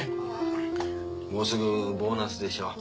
もうすぐボーナスでしょ？